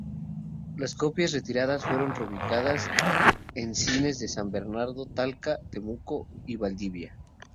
Las copias retiradas fueron reubicadas en cines de San Bernardo, Talca, Temuco y Valdivia.